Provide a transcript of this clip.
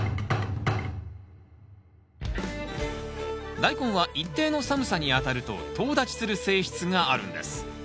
ダイコンは一定の寒さにあたるととう立ちする性質があるんです。